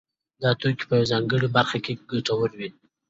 دا توکي په یوه ځانګړې برخه کې ګټور وي